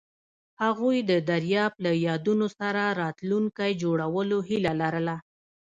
هغوی د دریاب له یادونو سره راتلونکی جوړولو هیله لرله.